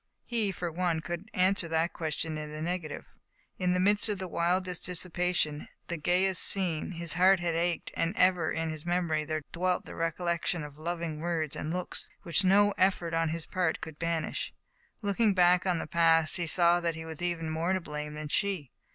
He, for one, could answer that question in the negative. In the midst of the wildest dissipation, the gayest scene, his heart had ached, and ever in his memory there dwelt the recollection of loving words and looks, which no effort on his part could banish. Looking back on the past, he saw that he was even more to blame than she.